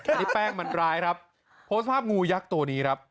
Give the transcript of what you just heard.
อันนี้แป้งมันร้ายครับโพสต์ภาพงูยักษ์ตัวนี้ครับ